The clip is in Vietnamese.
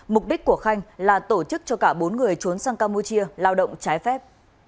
mục đích của khanh là tổ chức cho cả bốn người trốn sang campuchia lao động trái phép